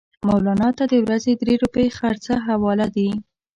مولنا ته د ورځې درې روپۍ خرڅ حواله دي.